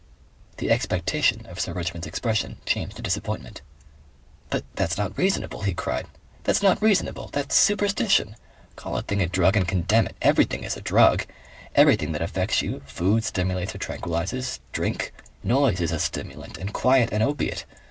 The expectation of Sir Richmond's expression changed to disappointment. "But that's not reasonable," he cried. "That's not reasonable. That's superstition. Call a thing a drug and condemn it! Everything is a drug. Everything that affects you. Food stimulates or tranquillizes. Drink. Noise is a stimulant and quiet an opiate.